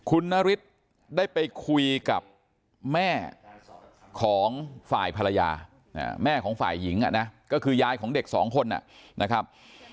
คุณนฤทธิ์ได้ไปคุยกับแม่ของฝ่ายภรรยาแม่ของฝ่ายหญิงก็คือยายของเด็กสองคนนะครับ